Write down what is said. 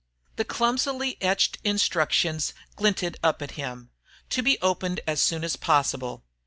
The clumsily etched instructions glinted up at him: "_To be opened as soon as possible....